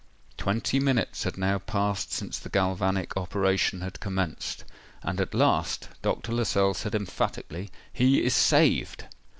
Twenty minutes had now passed since the galvanic operation had commenced; and at last Dr. Lascelles said emphatically, "_He is saved!